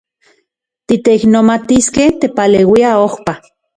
Titeiknomatiskej tepaleuia ojpa.